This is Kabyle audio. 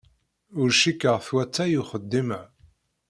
Ur cikkeɣ twata i uxeddim-a.